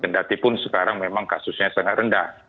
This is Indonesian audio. kendatipun sekarang memang kasusnya sangat rendah